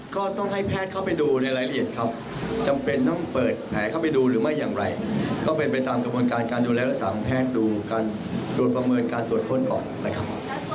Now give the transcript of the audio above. ก็ต้องให้แพทย์เข้าไปดูในรายละเอียดครับจำเป็นต้องเปิดแผลเข้าไปดูหรือไม่อย่างไรก็เป็นไปตามกระบวนการการดูแลรักษาของแพทย์ดูการดูประเมินการตรวจค้นก่อนนะครับ